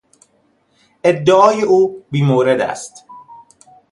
ادعای او بی مورد است.